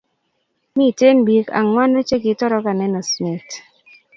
Miten pik anwanu che kitorokan en osnet